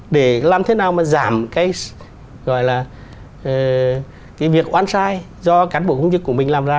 để làm thế nào mà giảm cái việc oan sai do cán bộ công chức của mình làm ra